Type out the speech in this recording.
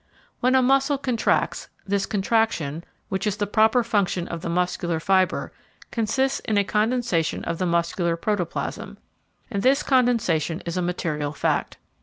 When a muscle contracts, this contraction, which is the proper function of the muscular fibre, consists in a condensation of the muscular protoplasm, and this condensation is a material fact.